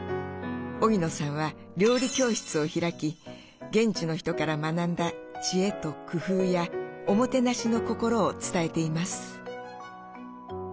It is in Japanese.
荻野さんは料理教室を開き現地の人から学んだ知恵と工夫やおもてなしの心を伝えています。